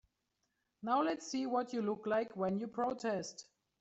Now let's see what you look like when you protest.